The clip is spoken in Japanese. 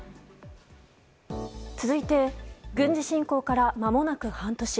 続いて軍事侵攻から間もなく半年。